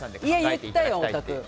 言ったよ、お宅。